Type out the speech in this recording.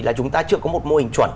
là chúng ta chưa có một mô hình chuẩn